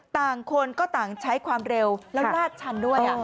ต่างคนก็ต่างใช้ความเร็วแล้วลาดชันด้วย